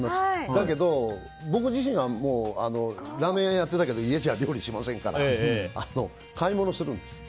だけど、僕自身はもうラーメン屋やってたけど家じゃ料理しませんから買い物をするんです。